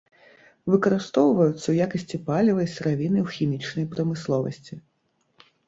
Выкарыстоўваюцца ў якасці паліва і сыравіны ў хімічнай прамысловасці.